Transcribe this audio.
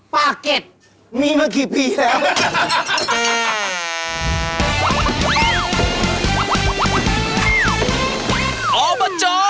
ปากเก็ตมีมากี่ปีแล้ว